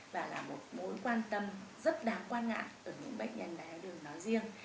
và là một mối quan tâm rất đáng quan ngại của những bệnh nhân đại tháo đường nói riêng